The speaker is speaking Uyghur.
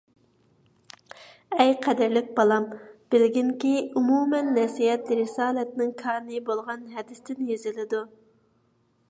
ئەي قەدىرلىك بالام، بىلگىنكى، ئومۇمەن نەسىھەت رىسالەتنىڭ كانى بولغان ھەدىستىن يېزىلىدۇ.